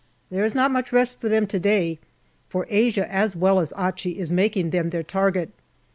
There is not much rest for them to day, for Asia as well as Achi is making them their target.